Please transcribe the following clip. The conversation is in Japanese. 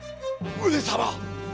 上様！